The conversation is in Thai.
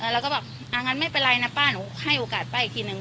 เราก็บอกอ่างั้นไม่เป็นไรนะป้าหนูให้โอกาสป้าอีกทีนึง